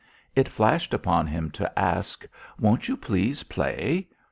It flashed upon him to ask: "Won't you please play?"